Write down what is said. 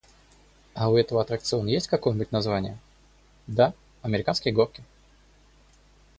«А у этого аттракциона есть какое-нибудь название?» — «Да, американские горки».